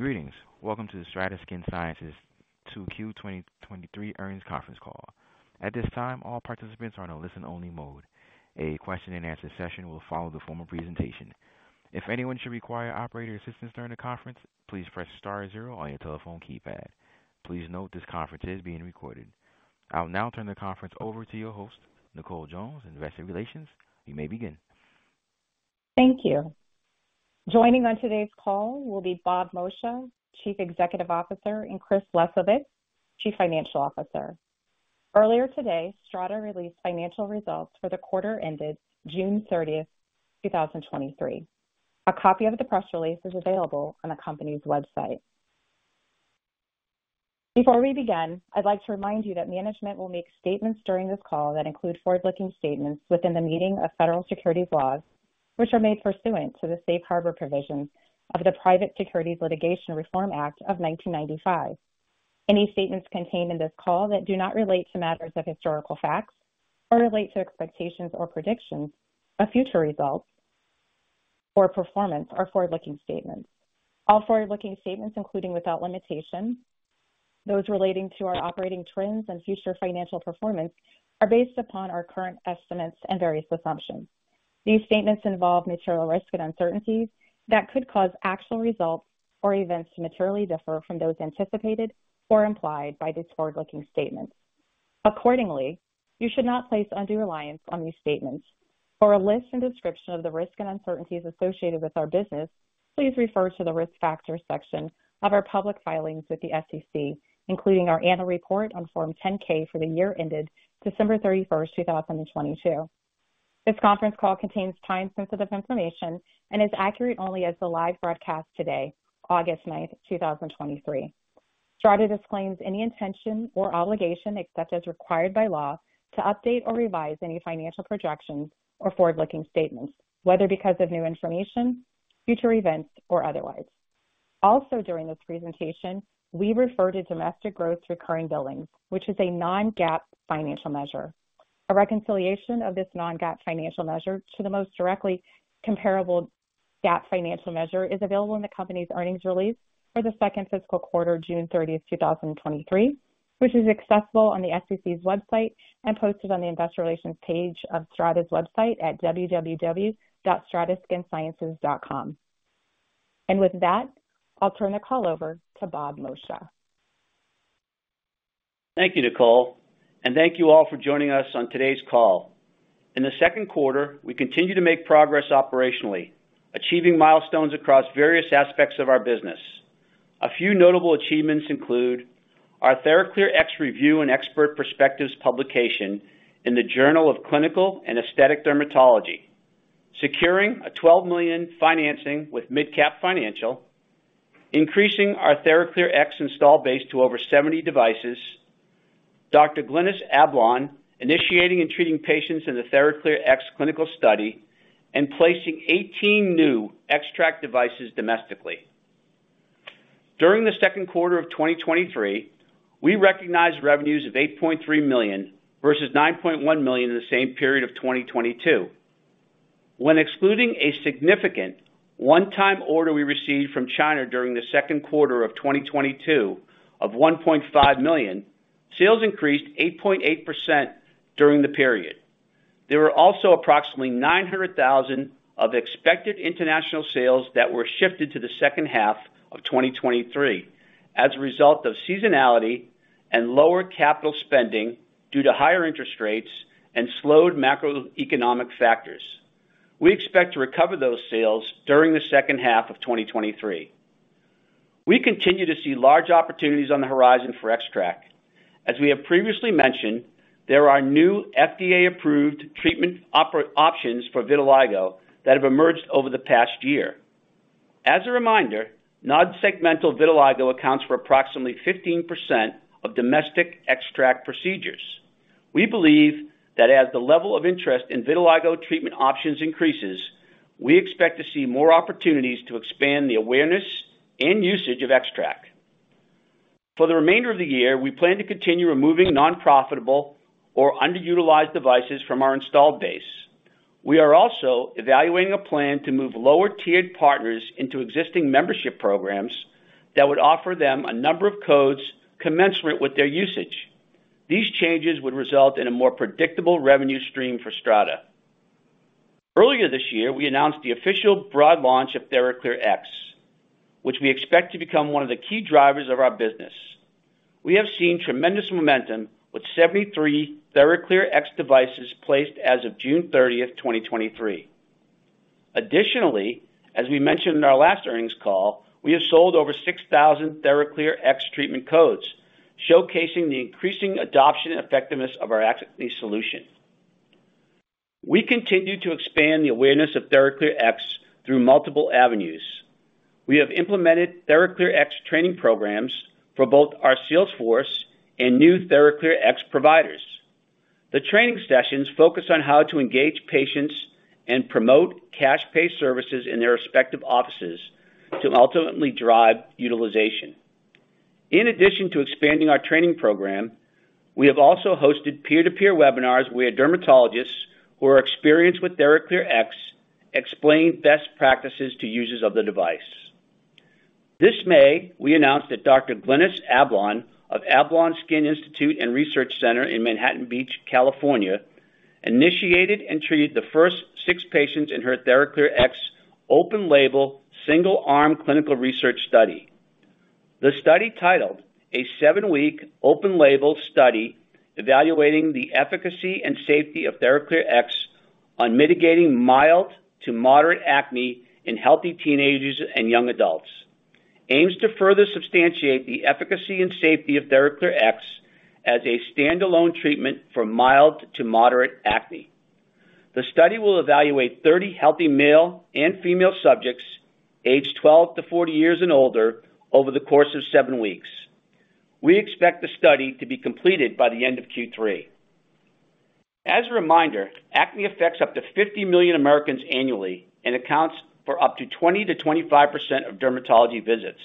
Greetings. Welcome to the STRATA Skin Sciences 2Q 2023 Earnings Conference Call. At this time, all participants are on a listen-only mode. A question and answer session will follow the formal presentation. If anyone should require operator assistance during the conference, please press star zero on your telephone keypad. Please note this conference is being recorded. I'll now turn the conference over to your host, Nicole Jones, Investor Relations. You may begin. Thank you. Joining on today's call will be Bob Moccia, Chief Executive Officer, Chris Lesovitz, Chief Financial Officer. Earlier today, STRATA released financial results for the quarter ended June 30th, 2023. A copy of the press release is available on the company's website. Before we begin, I'd like to remind you that management will make statements during this call that include forward-looking statements within the meaning of federal securities laws, which are made pursuant to the safe harbor provisions of the Private Securities Litigation Reform Act of 1995. Any statements contained in this call that do not relate to matters of historical facts or relate to expectations or predictions of future results or performance are forward-looking statements. All forward-looking statements, including without limitation, those relating to our operating trends and future financial performance, are based upon our current estimates and various assumptions. These statements involve material risks and uncertainties that could cause actual results or events to materially differ from those anticipated or implied by these forward-looking statements. Accordingly, you should not place undue reliance on these statements. For a list and description of the risks and uncertainties associated with our business, please refer to the Risk Factors section of our public filings with the SEC, including our Annual Report on Form 10-K for the year ended December 31st, 2022. This conference call contains time-sensitive information and is accurate only as of the live broadcast today, August 9th, 2023. STRATA disclaims any intention or obligation, except as required by law, to update or revise any financial projections or forward-looking statements, whether because of new information, future events, or otherwise. Also, during this presentation, we refer to domestic growth recurring billings, which is a non-GAAP financial measure. A reconciliation of this non-GAAP financial measure to the most directly comparable GAAP financial measure is available in the company's earnings release for the second fiscal quarter, June 30th, 2023, which is accessible on the SEC's website and posted on the Investor Relations page of STRATA's website at www.strataskinsciences.com. With that, I'll turn the call over to Bob Moccia. Thank you, Nicole, and thank you all for joining us on today's call. In the second quarter, we continued to make progress operationally, achieving milestones across various aspects of our business. A few notable achievements include our TheraClearX review and expert perspectives publication in the Journal of Clinical and Aesthetic Dermatology, securing a $12 million financing with MidCap Financial, increasing our TheraClearX install base to over 70 devices, Dr. Glynis Ablon initiating and treating patients in the TheraClearX clinical study, and placing 18 new XTRAC devices domestically. During the second quarter of 2023, we recognized revenues of $8.3 million, versus $9.1 million in the same period of 2022. When excluding a significant one-time order we received from China during the second quarter of 2022 of $1.5 million, sales increased 8.8% during the period. There were also approximately $900,000 of expected international sales that were shifted to the second half of 2023 as a result of seasonality and lower capital spending due to higher interest rates and slowed macroeconomic factors. We expect to recover those sales during the second half of 2023. We continue to see large opportunities on the horizon for XTRAC. As we have previously mentioned, there are new FDA-approved treatment options for vitiligo that have emerged over the past year. As a reminder, nonsegmental vitiligo accounts for approximately 15% of domestic XTRAC procedures. We believe that as the level of interest in vitiligo treatment options increases, we expect to see more opportunities to expand the awareness and usage of XTRAC. For the remainder of the year, we plan to continue removing non-profitable or underutilized devices from our installed base. We are also evaluating a plan to move lower-tiered partners into existing membership programs that would offer them a number of codes commensurate with their usage. These changes would result in a more predictable revenue stream for STRATA. Earlier this year, we announced the official broad launch TheraClearX, which we expect to become one of the key drivers of our business. We have seen tremendous momentum with TheraClearX devices placed as of June 30th, 2023. Additionally, as we mentioned in our last earnings call, we have sold over 6,000 TheraClearX treatment codes, showcasing the increasing adoption and effectiveness of our acne solution. We continue to expand the awareness TheraClearX through multiple avenues. We have TheraClearX training programs for both our sales force and TheraClearX providers. The training sessions focus on how to engage patients and promote cash pay services in their respective offices to ultimately drive utilization. In addition to expanding our training program, we have also hosted peer-to-peer webinars where dermatologists who are experienced with TheraClearX explain best practices to users of the device. This May, we announced that Dr. Glynis Ablon of Ablon Skin Institute and Research Center in Manhattan Beach, California, initiated and treated the first six patients in her TheraClearX open label, single-arm clinical research study. The study, titled "A Seven-Week Open Label Study Evaluating the Efficacy and Safety of TheraClearX on Mitigating Mild to Moderate Acne in Healthy Teenagers and Young Adults," aims to further substantiate the efficacy and safety of TheraClearX as a standalone treatment for mild to moderate acne. The study will evaluate 30 healthy male and female subjects, aged 12 to 40 years and older, over the course of seven weeks. We expect the study to be completed by the end of Q3. As a reminder, acne affects up to 50 million Americans annually and accounts for up to 20%-25% of dermatology visits.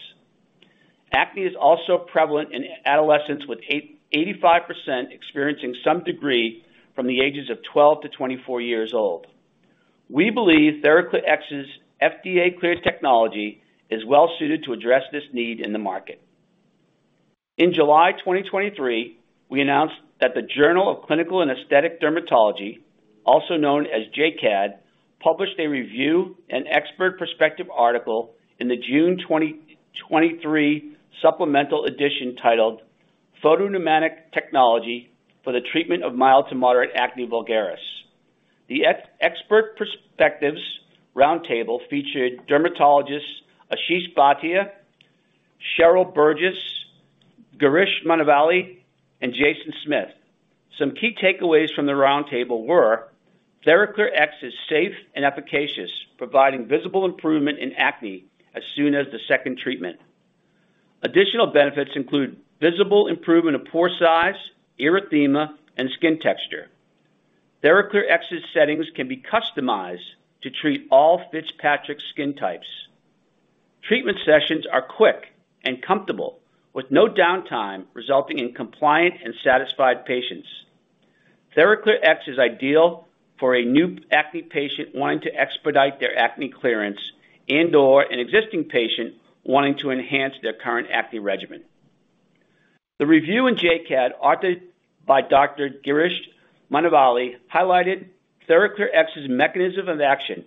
Acne is also prevalent in adolescents, with 85% experiencing some degree from the ages of 12 to 24 years old. We believe TheraClearX's FDA-cleared technology is well suited to address this need in the market. In July 2023, we announced that the Journal of Clinical and Aesthetic Dermatology, also known as JCAD, published a review and expert perspective article in the June 2023 supplemental edition titled "Photopneumatic Technology for the Treatment of Mild-to-Moderate Acne Vulgaris." The expert perspectives roundtable featured Dermatologists Ashish Bhatia, Cheryl Burgess, Girish Munavalli, and Jason Smith. Some key takeaways from the roundtable were: TheraClearX is safe and efficacious, providing visible improvement in acne as soon as the second treatment. Additional benefits include visible improvement of pore size, erythema, and skin texture. TheraClearX's settings can be customized to treat all Fitzpatrick skin types. Treatment sessions are quick and comfortable, with no downtime, resulting in compliant and satisfied patients. TheraClearX is ideal for a new acne patient wanting to expedite their acne clearance and/or an existing patient wanting to enhance their current acne regimen. The review in JCAD, authored by Dr. Girish Munavalli, highlighted TheraClearX's mechanism of action,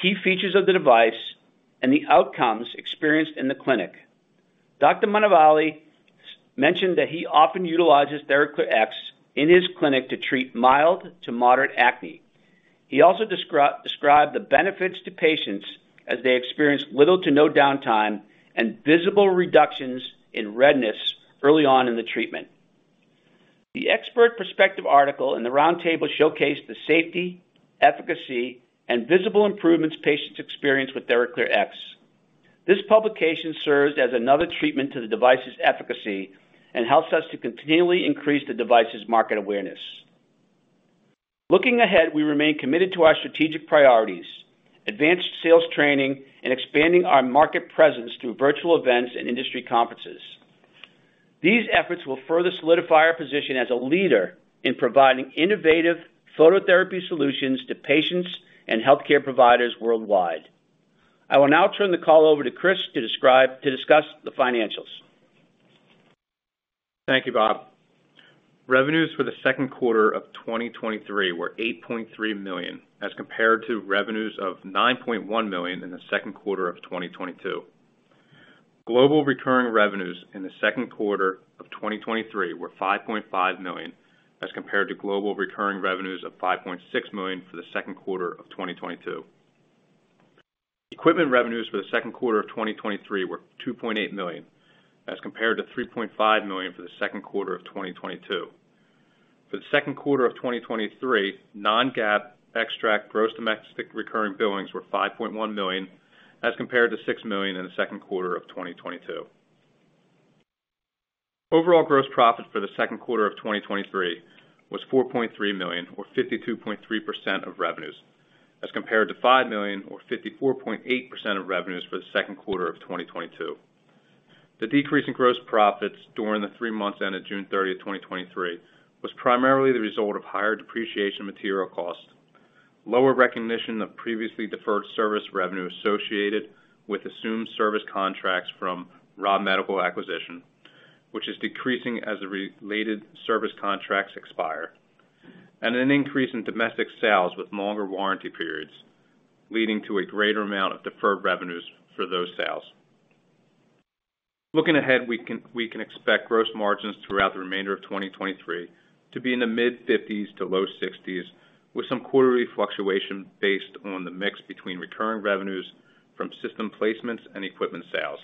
key features of the device, and the outcomes experienced in the clinic. Dr. Munavalli mentioned that he often utilizes TheraClearX in his clinic to treat mild to moderate acne. He also described the benefits to patients as they experienced little to no downtime and visible reductions in redness early on in the treatment. The expert perspective article and the roundtable showcased the safety, efficacy, and visible improvements patients experience with TheraClearX. This publication serves as another treatment to the device's efficacy and helps us to continually increase the device's market awareness. Looking ahead, we remain committed to our strategic priorities, advanced sales training, and expanding our market presence through virtual events and industry conferences. These efforts will further solidify our position as a leader in providing innovative phototherapy solutions to patients and healthcare providers worldwide. I will now turn the call over to Chris to discuss the financials. Thank you, Bob. Revenues for the second quarter of 2023 were $8.3 million, as compared to revenues of $9.1 million in the second quarter of 2022. Global recurring revenues in the second quarter of 2023 were $5.5 million, as compared to global recurring revenues of $5.6 million for the second quarter of 2022. Equipment revenues for the second quarter of 2023 were $2.8 million, as compared to $3.5 million for the second quarter of 2022. For the second quarter of 2023, non-GAAP XTRAC gross domestic recurring billings were $5.1 million, as compared to $6 million in the second quarter of 2022. Overall gross profit for the second quarter of 2023 was $4.3 million, or 52.3% of revenues, as compared to $5 million or 54.8% of revenues for the second quarter of 2022. The decrease in gross profits during the three months ended June 30th, 2023, was primarily the result of higher depreciation material costs, lower recognition of previously deferred service revenue associated with assumed service contracts from Ra Medical acquisition, which is decreasing as the related service contracts expire, and an increase in domestic sales with longer warranty periods, leading to a greater amount of deferred revenues for those sales. Looking ahead, we can expect gross margins throughout the remainder of 2023 to be in the mid-fifties to low sixties, with some quarterly fluctuation based on the mix between recurring revenues from system placements and equipment sales.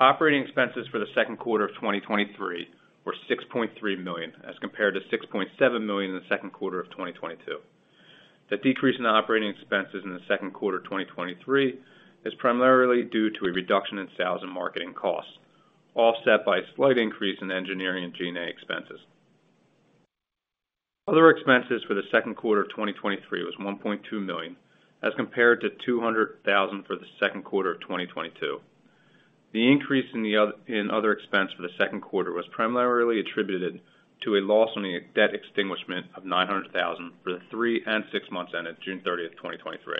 Operating expenses for the second quarter of 2023 were $6.3 million, as compared to $6.7 million in the second quarter of 2022. The decrease in operating expenses in the second quarter 2023 is primarily due to a reduction in sales and marketing costs, offset by a slight increase in engineering and G&A expenses. Other expenses for the second quarter of 2023 was $1.2 million, as compared to $200,000 for the second quarter of 2022. The increase in other expense for the second quarter was primarily attributed to a loss on the debt extinguishment of $900,000 for the three and six months ended June 30th, 2023.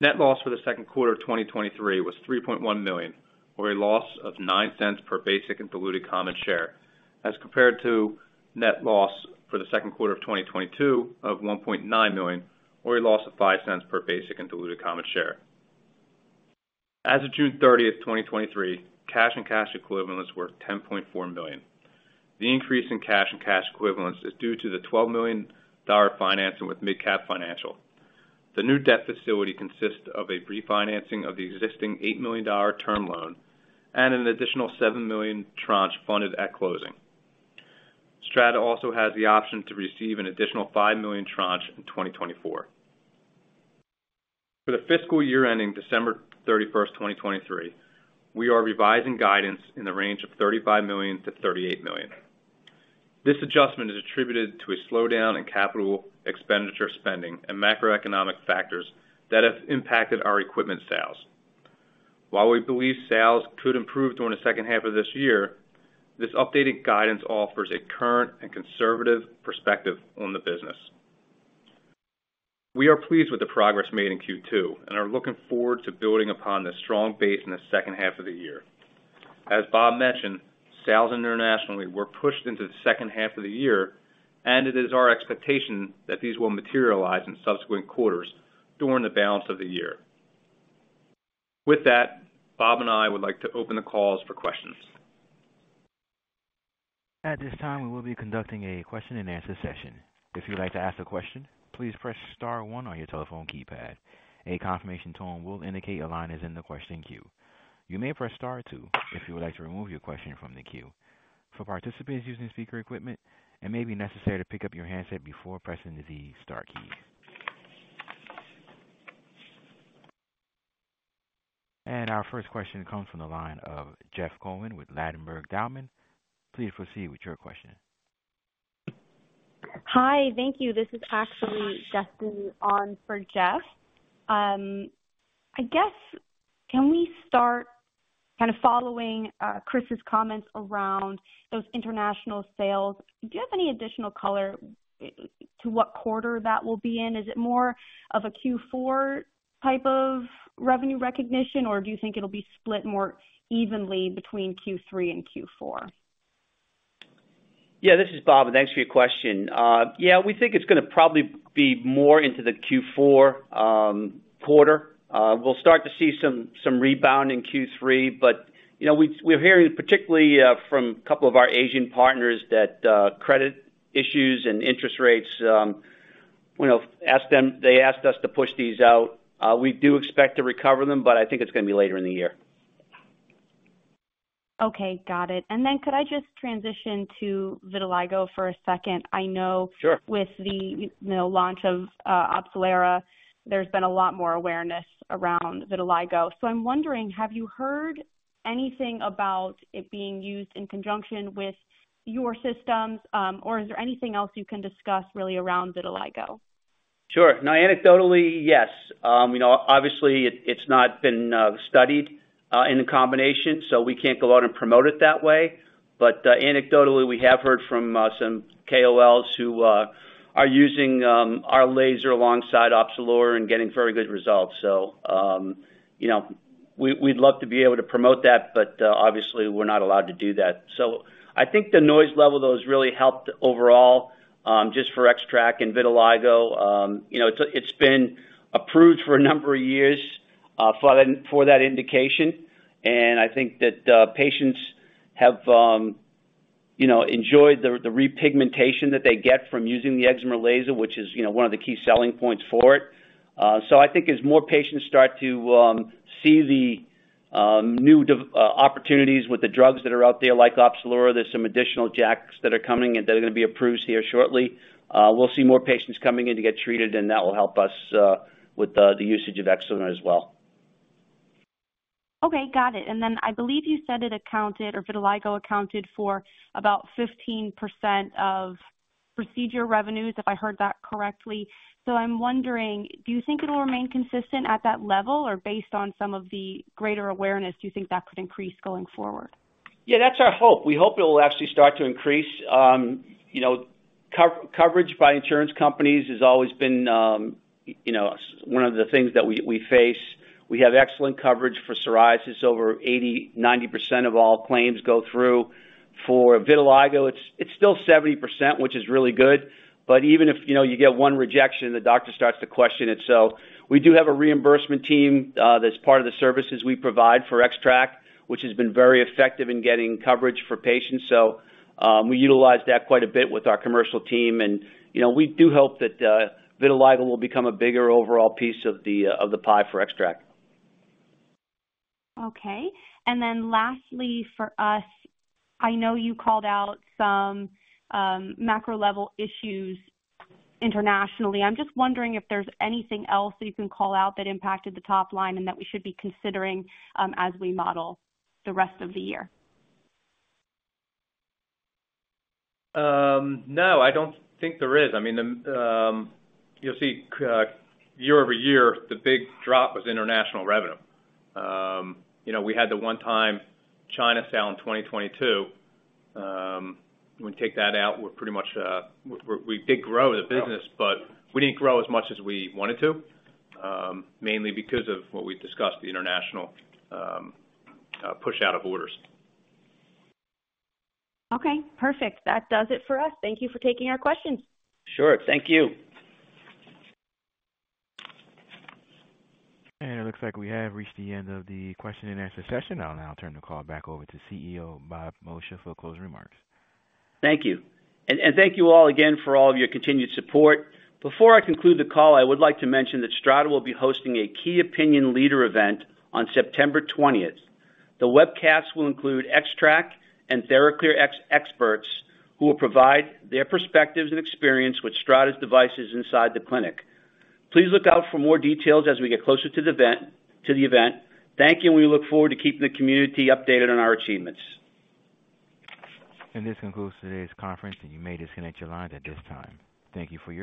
Net loss for the second quarter of 2023 was $3.1 million, or a loss of $0.09 per basic and diluted common share, as compared to net loss for the second quarter of 2022 of $1.9 million, or a loss of $0.05 per basic and diluted common share. As of June 30th, 2023, cash and cash equivalents were $10.4 million. The increase in cash and cash equivalents is due to the $12 million financing with MidCap Financial. The new debt facility consists of a refinancing of the existing $8 million term loan and an additional $7 million tranche funded at closing. STRATA also has the option to receive an additional $5 million tranche in 2024. For the fiscal year ending December 31st, 2023, we are revising guidance in the range of $35 million-$38 million. This adjustment is attributed to a slowdown in capital expenditure spending and macroeconomic factors that have impacted our equipment sales. While we believe sales could improve during the second half of this year, this updated guidance offers a current and conservative perspective on the business. We are pleased with the progress made in Q2 and are looking forward to building upon this strong base in the second half of the year. As Bob mentioned, sales internationally were pushed into the second half of the year. It is our expectation that these will materialize in subsequent quarters during the balance of the year. With that, Bob and I would like to open the calls for questions. At this time, we will be conducting a question-and-answer session. If you would like to ask a question, please press star one on your telephone keypad. A confirmation tone will indicate your line is in the question queue. You may press star two if you would like to remove your question from the queue. For participants using speaker equipment, it may be necessary to pick up your handset before pressing the star key. Our first question comes from the line of Jeff Cohen with Ladenburg Thalmann. Please proceed with your question. Hi, thank you. This is actually Destiny on for Jeff. I guess, can we start kind of following Chris's comments around those international sales? Do you have any additional color to what quarter that will be in? Is it more of a Q4 type of revenue recognition, or do you think it'll be split more evenly between Q3 and Q4? Yeah, this is Bob, and thanks for your question. Yeah, we think it's going to probably be more into the Q4 quarter. We'll start to see some, some rebound in Q3, but, you know, we're, we're hearing, particularly, from a couple of our Asian partners that, credit issues and interest rates, you know, asked them. They asked us to push these out. We do expect to recover them, but I think it's going to be later in the year. Okay, got it. Then could I just transition to vitiligo for a second? Sure. I know with the, you know, launch of Opzelura, there's been a lot more awareness around vitiligo. I'm wondering, have you heard anything about it being used in conjunction with your systems, or is there anything else you can discuss really around vitiligo? Sure. Now, anecdotally, yes. you know, obviously it's not been studied in the combination, we can't go out and promote it that way. Anecdotally, we have heard from some KOLs who are using our laser alongside Opzelura and getting very good results. you know, we'd love to be able to promote that, but obviously we're not allowed to do that. I think the noise level, though, has really helped overall, just for XTRAC and vitiligo. you know, it's been approved for a number of years for that, for that indication, and I think that patients have, you know, enjoyed the repigmentation that they get from using the excimer laser, which is, you know, one of the key selling points for it. I think as more patients start to see the new opportunities with the drugs that are out there, like Opzelura, there's some additional JAKs that are coming and that are going to be approved here shortly. We'll see more patients coming in to get treated, and that will help us with the usage of Excimer as well. Okay, got it. I believe you said it accounted, or vitiligo accounted for about 15% of procedure revenues, if I heard that correctly. I'm wondering, do you think it'll remain consistent at that level, or based on some of the greater awareness, do you think that could increase going forward? Yeah, that's our hope. We hope it will actually start to increase. You know, coverage by insurance companies has always been, you know, one of the things that we, we face. We have excellent coverage for psoriasis. Over 80-90% of all claims go through. For vitiligo, it's, it's still 70%, which is really good. Even if, you know, you get one rejection, the doctor starts to question it. We do have a reimbursement team that's part of the services we provide for XTRAC, which has been very effective in getting coverage for patients. We utilize that quite a bit with our commercial team and, you know, we do hope that vitiligo will become a bigger overall piece of the pie for XTRAC. Okay. Lastly, for us, I know you called out some macro level issues internationally. I'm just wondering if there's anything else that you can call out that impacted the top line and that we should be considering as we model the rest of the year. No, I don't think there is. I mean, the, you'll see, year-over-year, the big drop was international revenue. You know, we had the one-time China sale in 2022. When we take that out, we're pretty much, we did grow the business, but we didn't grow as much as we wanted to, mainly because of what we've discussed, the international, push out of orders. Okay, perfect. That does it for us. Thank you for taking our questions. Sure. Thank you. It looks like we have reached the end of the question and answer session. I'll now turn the call back over to CEO, Bob Moccia, for closing remarks. Thank you. Thank you all again for all of your continued support. Before I conclude the call, I would like to mention that STRATA will be hosting a Key Opinion Leader event on September 20th. The webcast will include XTRAC TheraClearX experts, who will provide their perspectives and experience with STRATA's devices inside the clinic. Please look out for more details as we get closer to the event. Thank you, we look forward to keeping the community updated on our achievements. This concludes today's conference, and you may disconnect your lines at this time. Thank you for your participation.